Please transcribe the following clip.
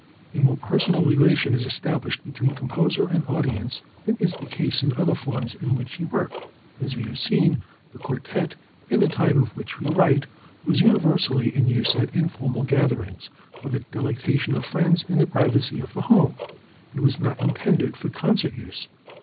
A more personal relation is established between composer and audience than is the case in the other forms in which he worked. As we have seen, the quartet, in the time of which we write, was universally in use at informal gatherings for the delectation of friends in the privacy of the home, and was not intended for concert use.